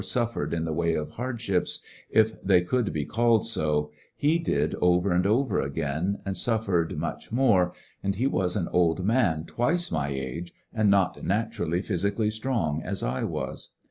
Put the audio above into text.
j i I suffered in the way of hardships, if they could i|{ be called so, he did over and over again, and suffered much more, and he was an old man twice my age, and not naturally physically strong as I was.